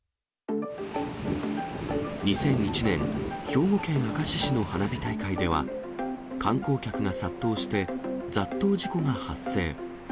２００１年、兵庫県明石市の花火大会では、観光客が殺到して、雑踏事故が発生。